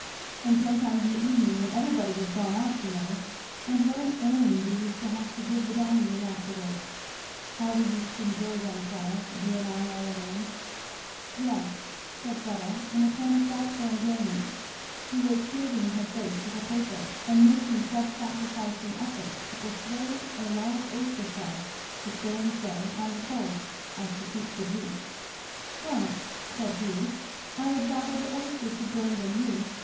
and sometimes in the evening when everybody was gone out, you know; and what an airing we used to have to give the dining room afterwards. How we used to enjoy them, Fleda you and I all alone." "Yes," said Fleda in a tone of doubtful enjoyment. She was shielding her face with a paper and making self sacrificing efforts to persuade a large oyster shell to stand so on the coals as to keep the juice. "Don't!" said Hugh; "I would rather the oysters should burn than you.